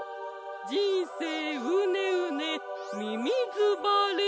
じんせいうねうねみみずばれ！